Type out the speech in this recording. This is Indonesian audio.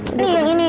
ini yang ini